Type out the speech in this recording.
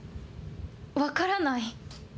わからない。